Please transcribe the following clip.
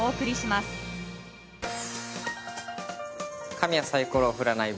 「神はサイコロを振らない」